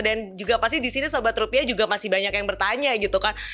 dan juga pasti disini sobat rupiah juga masih banyak yang bertanya gitu kan